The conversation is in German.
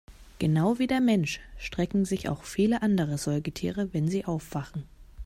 Genau wie der Mensch strecken sich auch viele andere Säugetiere, wenn sie aufwachen.